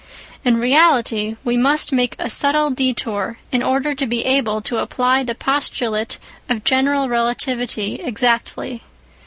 In reality we must make a subtle detour in order to be able to apply the postulate of general relativity exactly.